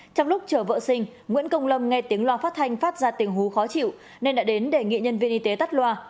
trong lúc chở vợ sinh nguyễn công lâm nghe tiếng loa phát thanh phát ra tình huống khó chịu nên đã đến đề nghị nhân viên y tế tắt loa